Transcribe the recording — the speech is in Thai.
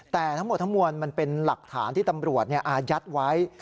แต่ทั้งหมดทั้งมวลมันเป็นหลักฐานที่ตำรวจอายัดไว้